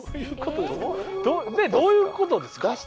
どういうことですか？